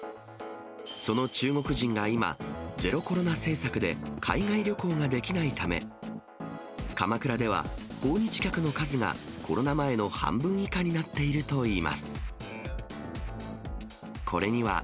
その中国人が今、ゼロコロナ政策で、海外旅行ができないため、鎌倉では、訪日客の数がコロナ前の半分以下になっているといいます。